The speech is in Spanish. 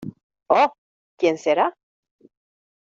¡ oh!... ¿ quién será?